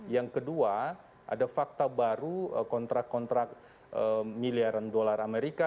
yang kedua ada fakta baru kontrak kontrak miliaran dolar amerika